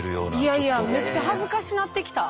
いやいやめっちゃ恥ずかしなってきた。